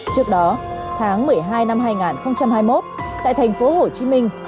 trước đó tháng một mươi hai năm hai nghìn hai mươi một tại thành phố hồ chí minh